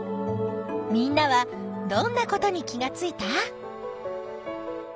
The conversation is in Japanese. みんなはどんなことに気がついた？